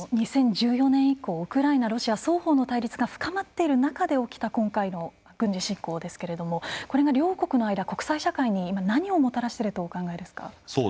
２０１４年以降、ウクライナロシア双方の対立が深まっている中で起きた今回の軍事侵攻ですけれどもこれが両国の間国際社会に何をもたらしているとお考えですか。